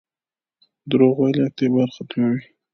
دروغ ویل اعتبار ختموي